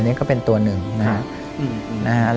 นี่ก็เป็นตัวหนึ่งนะครับ